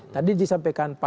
tadi disampaikan pak